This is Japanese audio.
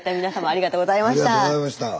ありがとうございます。